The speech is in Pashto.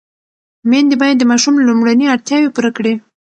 مېندې باید د ماشوم لومړني اړتیاوې پوره کړي.